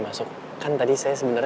jatuh ke tempat sekarang